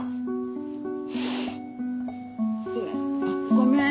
ごめん。